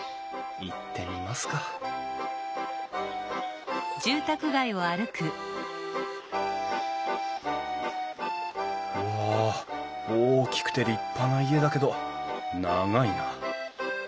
行ってみますかうわ大きくて立派な家だけど長いな。